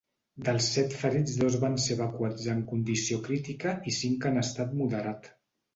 Dels set ferits dos van ser evacuats en condició crítica i cinc en estat moderat.